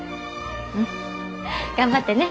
うん頑張ってね。